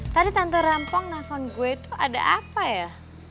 tadi tante rampong nelfon gue itu ada apa ya